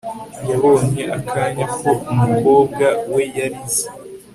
yabonye akanya ko umukobwa we yarize